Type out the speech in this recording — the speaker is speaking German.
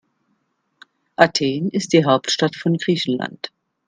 Athen ist die Hauptstadt von Griechenland.